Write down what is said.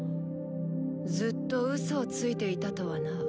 ずっとうそをついていたとはな。